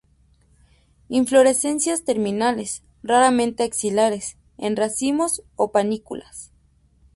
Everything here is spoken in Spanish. Inflorescencias terminales, raramente axilares, en racimos o panículas.